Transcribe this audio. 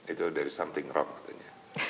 itu dari something wrong katanya